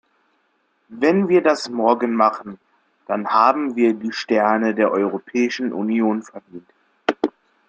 Wenn wir das morgen machen, dann haben wir die Sterne der Europäischen Union verdient.